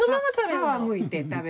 皮むいて。